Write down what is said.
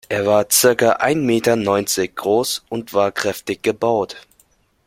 Er war circa ein Meter neunzig groß und war kräftig gebaut.